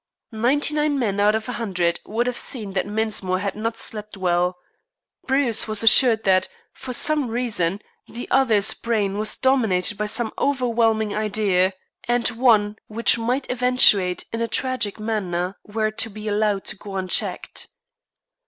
Ninety nine men out of a hundred would have seen that Mensmore had not slept well. Bruce was assured that, for some reason, the other's brain was dominated by some overwhelming idea, and one which might eventuate in a tragic manner were it to be allowed to go unchecked.